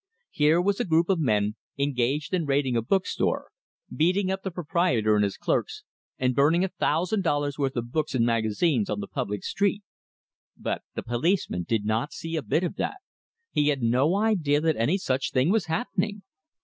Here was a group of men engaged in raiding a book store, beating up the proprietor and his clerks, and burning a thousand dollars worth of books and magazines on the public street; but the policeman did not see a bit of that, he had no idea that any such thing was happening!